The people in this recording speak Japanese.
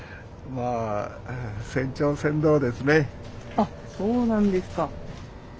あっそうなんですか。